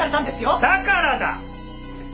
だからだ。